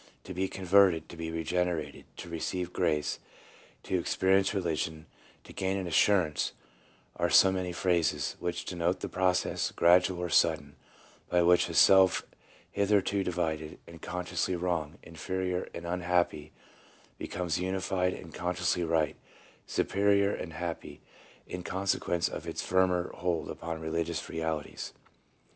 4 " To be converted, to be regenerated, to receive grace, to experience religion, to gain an assurance, are so many phrases which denote the process, gradual or sudden, by which a self hitherto divided, and consciously wrong, inferior, and unhappy, becomes unified and consciously right, superior, and happy, in consequence of its firmer hold upon religious realities.